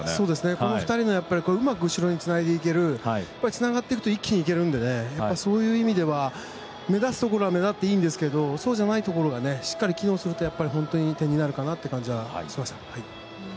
この２人のうまく後ろにつなげていけるつながっていくとうまくいけるので目立つところは目立っていいんですがそうじゃないところが機能すると本当に点になるかなという感じがしました。